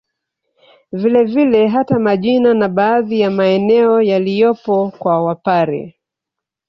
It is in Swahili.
Vile vile hata majina na baadhi ya maeneo yaliyopo kwa Wapare